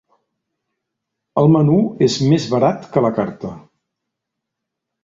El menú és més barat que la carta.